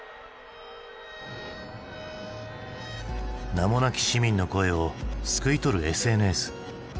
名もなき市民の声をすくい取るＳＮＳ。